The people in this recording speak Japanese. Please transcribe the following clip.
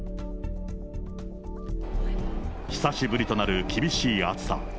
久しぶりとなる厳しい暑さ。